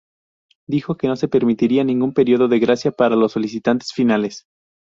Dijo que no se permitiría ningún período de gracia para los solicitantes finales.